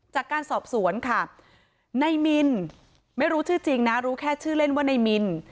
จากการสอบสวนค่ะในมินไม่รู้ชื่อจริงนะรู้แค่ชื่อเล่นว่าในมิน